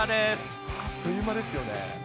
あっという間ですよね。